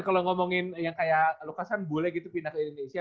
kalo ngomongin yang kayak lukas kan boleh gitu pindah ke indonesia